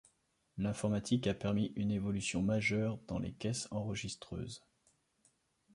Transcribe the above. L'informatique a permis une évolution majeure dans les caisses enregistreuses.